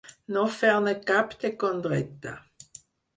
No fer-ne cap de condreta.